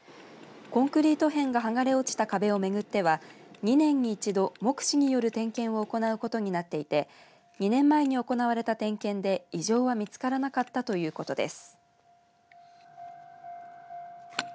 コンクリート片がはがれ落ちた壁を巡っては２年に１度目視による点検を行うことになっていて２年前に行われた点検で異常は見つからなかったということです。